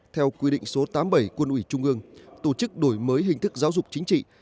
theo quy định số tám mươi bảy quân ủy trung ương tổ chức đổi mới hình thức giáo dục chính trị